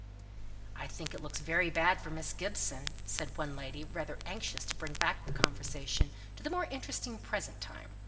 "I think it looks very bad for Miss Gibson!" said one lady, rather anxious to bring back the conversation to the more interesting present time.